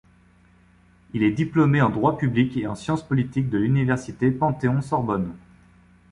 Il est diplômé en droit public et en sciences politiques de l’université Panthéon-Sorbonne.